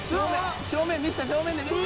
正面見せて正面で見せて。